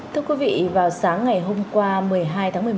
thưa quý vị vào sáng ngày hôm qua một mươi hai tháng một mươi một